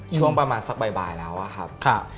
ช่วงประมาณสักบ่ายแล้วอะครับ